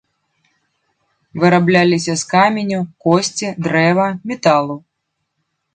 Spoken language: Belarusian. Вырабляліся з каменю, косці, дрэва, металу.